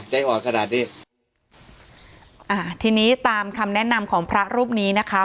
อ่อนขนาดนี้อ่าทีนี้ตามคำแนะนำของพระรูปนี้นะคะ